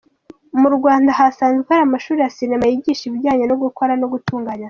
Mu Rwanda hasanzwe hari amashuri ya sinema yigisha ibijyanye no gukora no gutunganya filimi.